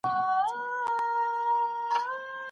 چیري ګڼ ډګر کي مړ سړی او ږیره ښکاري؟